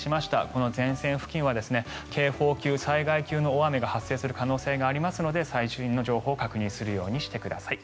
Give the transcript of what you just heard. この前線付近は警報級、災害級の大雨が発生する可能性がありますので最新の情報を確認するようにしてください。